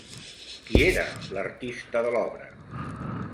Qui era l'artista de l'obra?